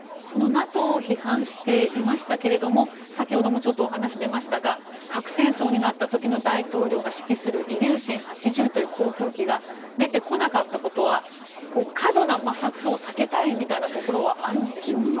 そのＮＡＴＯを批判していましたが先ほどもお話が出ましたが核戦争になった時に大統領が指揮するイリューシン８０という航空機が出てこなかったことは過度な摩擦を避けたいみたいなことはあるんでしょうか。